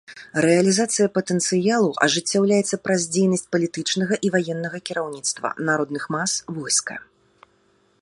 Рэалізацыя патэнцыялу ажыццяўляецца праз дзейнасць палітычнага і ваеннага кіраўніцтва, народных мас, войска.